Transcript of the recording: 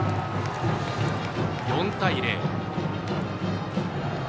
４対０。